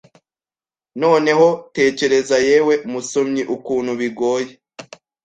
Noneho tekereza yewe musomyi ukuntu bigoye